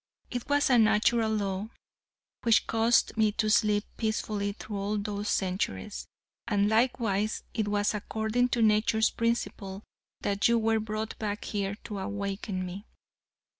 It was a natural law which caused me to sleep peacefully through all those centuries, and likewise it was according to nature's principle that you were brought back here to awaken me.